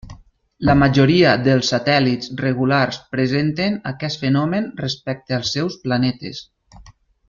La majoria dels satèl·lits regulars presenten aquest fenomen respecte als seus planetes.